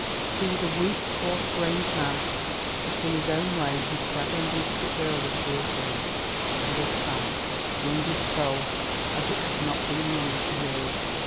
He was a weak, coarse grained man, but in his own way his clever and beautiful girl was dear to him, and this sight wrung his soul as it had not been wrung for years.